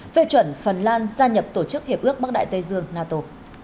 phê chuẩn phần lan gia nhập tổ chức hiệp ước bắc đại tây dương nato